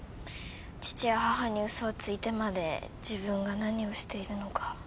父や母に嘘をついてまで自分が何をしているのか。